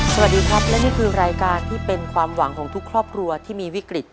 สวัสดีครับและนี่คือรายการที่เป็นความหวังของทุกครอบครัวที่มีวิกฤต